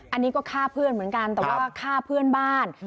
อันนี้ก็ฆ่าเพื่อนเหมือนกันแต่ว่าฆ่าเพื่อนบ้าน